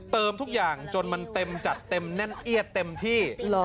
ทุกอย่างจนมันเต็มจัดเต็มแน่นเอียดเต็มที่